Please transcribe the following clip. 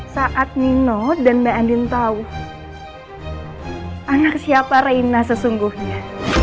saat nino dan mbak andin tahu anak siapa raina sesungguhnya